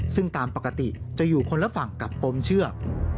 ซึ่งตามปกติจะอยู่คนละฝั่งกับปมเชือก